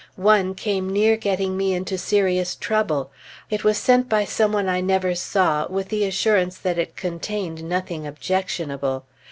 One came near getting me into serious trouble. It was sent by some one I never saw, with the assurance that it contained nothing objectionable.